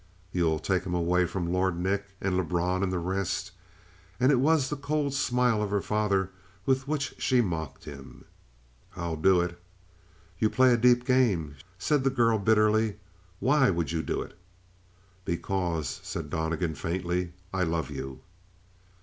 "You'll take him away from Lord Nick and Lebrun and the rest?" And it was the cold smile of her father with which she mocked him. "I'll do it." "You play a deep game," said the girl bitterly. "Why would you do it?" "Because," said Donnegan faintly. "I love you."